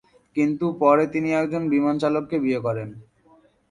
কিন্তু পরে তিনি একজন বিমান চালককে বিয়ে করেন।